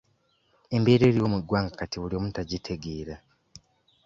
Embeera eriwo mu ggwanga kati buli omu tagitegeera.